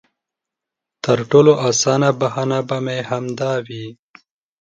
تر ټولو اسانه بهانه به مې همدا وي.